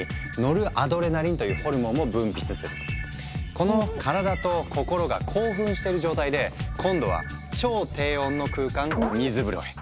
この体と心が興奮している状態で今度は超低温の空間「水風呂」へ。